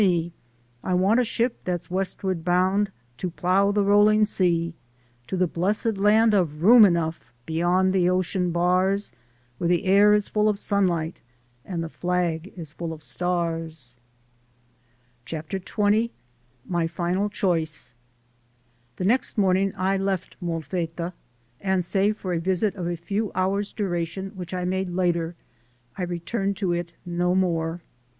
me ! I want a ship that's west ward bound, to =<.<:.<: a tempo plough the roll ing sea, To the bless d Land of U I .f m I ,,. P Room Enough be yond the o cean bars, Where the i rit. /r\ A A air is full of sun light, and the flag is full of stars! CHAPTER XX MY FINAL CHOICE THE next morning I left Molfetta, and save for a visit of a few hours' duration which I made later, I returned to it no more.